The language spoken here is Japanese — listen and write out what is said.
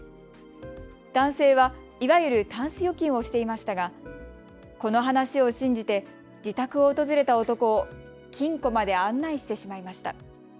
男性は、いわゆるたんす預金をしていましたがこの話を信じて自宅を訪れた男を金庫まで案内してしまいました。